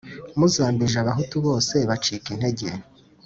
Nazambije abahutu bose bacika intege